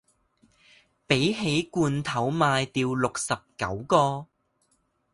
比起罐頭賣掉六十九個